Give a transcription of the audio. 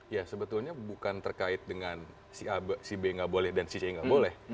ya sebetulnya bukan terkait dengan si a si b nggak boleh dan si c nggak boleh